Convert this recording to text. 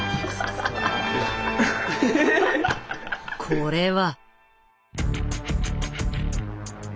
これは。